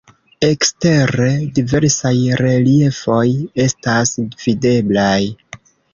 Ekstere diversaj reliefoj estas videblaj.